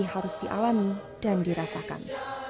harus dialami dan dirasakan